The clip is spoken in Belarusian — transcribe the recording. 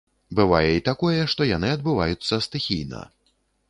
Бывае і такое, што яны адбываюцца стыхійна.